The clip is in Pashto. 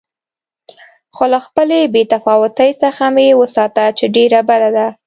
خو له خپلې بې تفاوتۍ څخه مې وساته چې ډېره بده ده.